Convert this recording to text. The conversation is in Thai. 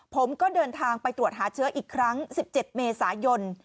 ผมก็เดินทางไปตรวจหาเชื้ออีกครั้ง๑๗เมษายน